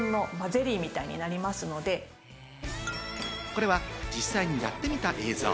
これは実際にやってみた映像。